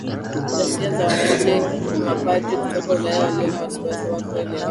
ghasia za wananchi Mapadri kutoka Ulaya waliona wasiwasi hawakuelewa